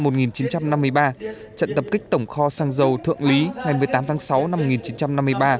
trận tập kích tổng kho sang dầu thượng lý ngày một mươi tám tháng sáu năm một nghìn chín trăm năm mươi ba